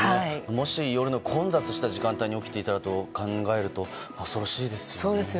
もし夜の混雑した時間帯に起きていたらと考えると恐ろしいですよね。